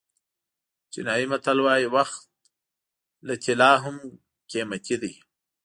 چینایي متل وایي وخت له طلا نه هم قیمتي دی.